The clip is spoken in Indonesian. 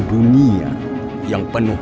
dunia yang penuh